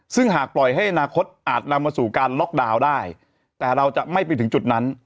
ซึ่งหากปล่อยให้อนาคตอาจนำมาสู่การล็อกดาวน์ได้แต่เราจะไม่ไปถึงจุดนั้น